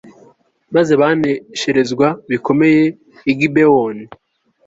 maze banesherezwa bikomeye i gibewoni